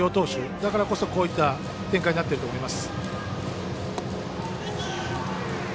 だからこそ、こういう展開になっていると思います。